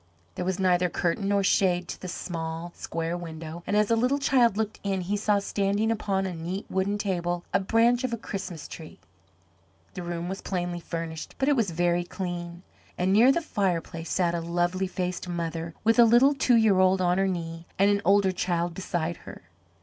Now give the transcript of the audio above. There was neither curtain nor shade to the small, square window and as the little child looked in he saw standing upon a neat wooden table a branch of a Christmas tree. The room was plainly furnished but it was very clean. Near the fireplace sat a lovely faced mother with a little two year old on her knee and an older child beside her.